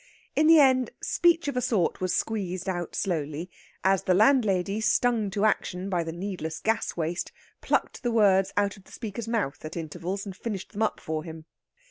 In the end, speech of a sort was squeezed out slowly, as the landlady, stung to action by the needless gas waste, plucked the words out of the speaker's mouth at intervals, and finished them up for him.